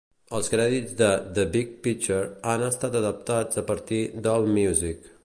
Els crèdits de "The Big Picture" han estat adaptats a partir d'Allmusic.